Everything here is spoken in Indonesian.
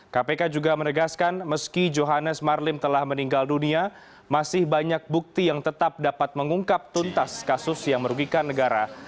kpk juga menegaskan meski johannes marlim telah meninggal dunia masih banyak bukti yang tetap dapat mengungkap tuntas kasus yang merugikan negara